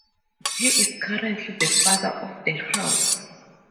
He is currently the Father of the House.